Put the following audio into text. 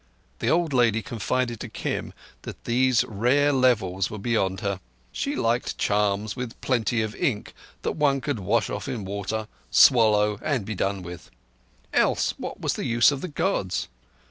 The old lady confided to Kim that these rare levels were beyond her. She liked charms with plenty of ink that one could wash off in water, swallow, and be done with. Else what was the use of the Gods?